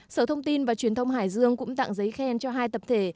sở thông tin và truyền thông hải dương cũng tặng giấy khen cho hai tập thể